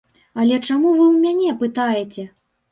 Але чаму вы ў мяне пытаеце?